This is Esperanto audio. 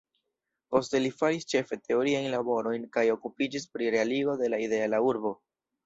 Poste li faris ĉefe teoriajn laborojn kaj okupiĝis pri realigo de la ideala urbo.